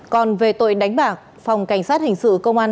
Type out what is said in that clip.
còn về tội đánh bạc phòng cảnh sát hình sự công an